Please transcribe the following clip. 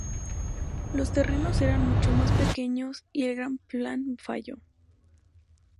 Los terrenos eran mucho más pequeños y el gran plan falló.